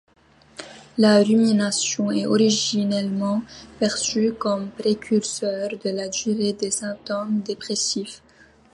La rumination est originellement perçue comme précurseur de la durée des symptômes dépressifs.